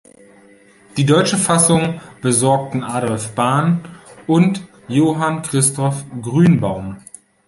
Die deutsche Fassung besorgten Adolf Bahn und Johann Christoph Grünbaum.